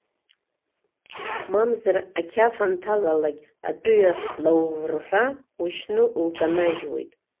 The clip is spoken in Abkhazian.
Мамзар, ақьаф анҭалалак, атәыҩа лауӷырҳәа ушьны улканажьуеит.